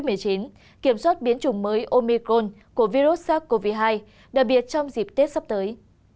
kiểm soát biến chủng mới omicron của virus sars cov hai đặc biệt trong dịp tết sắp tới